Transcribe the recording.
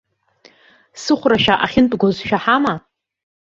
Сыхәрашәа ахьынтәгоз шәаҳама?